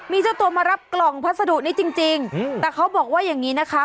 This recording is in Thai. มีเจ้าตัวมารับกล่องพัสดุนี้จริงจริงแต่เขาบอกว่าอย่างนี้นะคะ